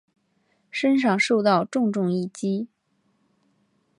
身上受到重重一击